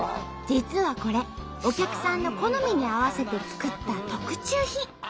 実はこれお客さんの好みに合わせて作った特注品。